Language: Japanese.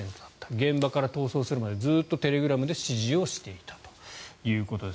現場から逃走するまでずっとテレグラムで指示をしていたということです。